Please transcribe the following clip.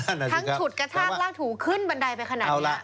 ทั้งฉุดกระชากลากถูขึ้นบันไดไปขนาดนี้